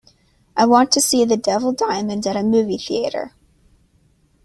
I want to see The Devil Diamond at a movie theatre.